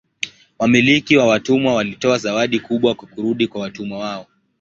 Wamiliki wa watumwa walitoa zawadi kubwa kwa kurudi kwa watumwa wao.